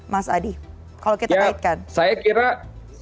mas adi kalau kita kaitkan